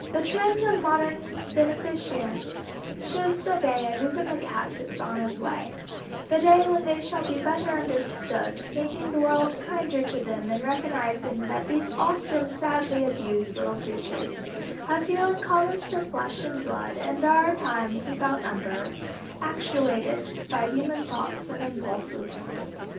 The trend of modern beneficence shows the day of even the cat is on the way, the day when they shall be better understood, making the world kinder to them in recognizing that these often sadly abused little creatures, have the feelings common to flesh and blood and are times without number, actuated by human thoughts and impulses.